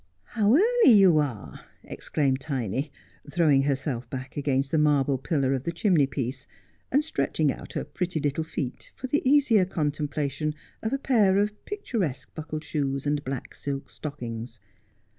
' How early you are !' exclaimed Tiny, throwing herself back against the marble pillar of the chimney piece, and stretching out her pretty little feet for the easier contemplation of a pair of picturesque buckled shoes and black silk stockings.